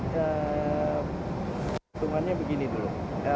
keuntungannya begini dulu